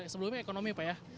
sebelumnya ekonomi pak ya